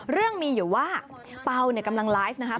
เรื่องมีอยู่ว่าเปล่าเนี่ยกำลังไลฟ์นะครับ